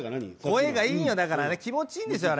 声がいいんよだからね気持ちいいんですよ